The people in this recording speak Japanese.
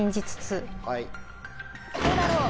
どうだろう。